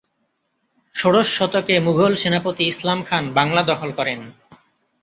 ষোড়শ শতকে মুঘল সেনাপতি ইসলাম খান বাংলা দখল করেন।